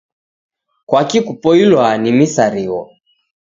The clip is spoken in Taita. Kwaki kupoilwa ni misarigho